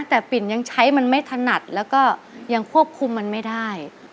แต่ปิ่นยังใช้มันไม่ถนัดแล้วก็ยังควบคุมมันไม่ได้